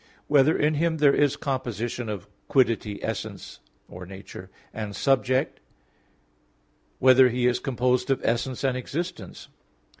(3) Whether in Him there is composition of quiddity, essence or nature, and subject? (4) Whether He is composed of essence and existence?